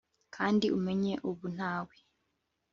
kandi umenye ubu ntawe